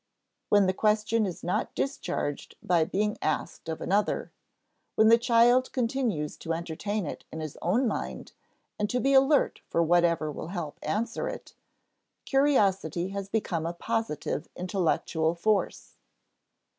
When the question is not discharged by being asked of another, when the child continues to entertain it in his own mind and to be alert for whatever will help answer it, curiosity has become a positive intellectual force.